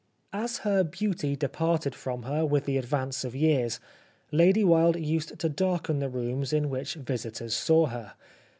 As her beauty departed from her with the advance of years, Lady Wilde used to darken the rooms in which visitors saw her.